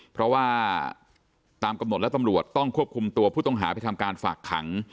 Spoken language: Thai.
เพราะว่าตามกำหนดและตำรวจต้องควบคุมตัวผู้ต้องหาไปทำการฝากขัง